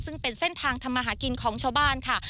ซึ่งเป็นเส้นทางทำมาหากินของชาวบ้านค่ะ